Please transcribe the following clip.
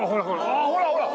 あっほらほら！